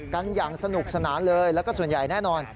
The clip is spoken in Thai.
กันอย่างสนุกสนานเลยแล้วก็ส่วนใหญ่แน่นอน